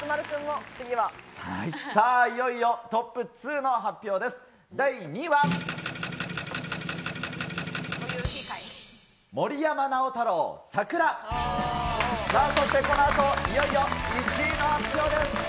さあ、いよいよトップ２の発表です。